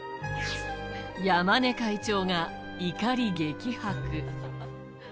山根会長が怒り激白。